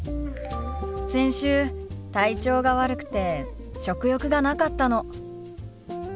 先週体調が悪くて食欲がなかったの。